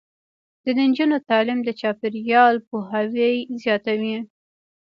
د نجونو تعلیم د چاپیریال پوهاوی زیاتوي.